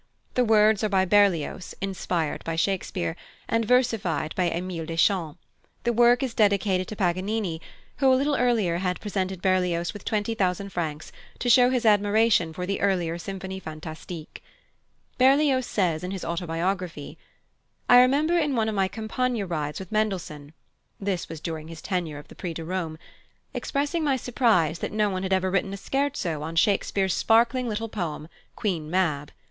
The words are by Berlioz, inspired by Shakespeare, and versified by Emil Deschamps; and the work is dedicated to Paganini, who a little earlier had presented Berlioz with twenty thousand francs to show his admiration for the earlier Symphonie Fantastique. Berlioz says in his autobiography: "I remember in one of my Campagna rides with Mendelssohn (this was during his tenure of the Prix de Rome) expressing my surprise that no one had ever written a scherzo on Shakespeare's sparkling little poem, Queen Mab.